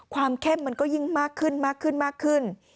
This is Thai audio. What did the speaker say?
เข้มมันก็ยิ่งมากขึ้นมากขึ้นมากขึ้น